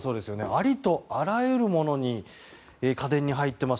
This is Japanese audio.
ありとあらゆる家電に入っています。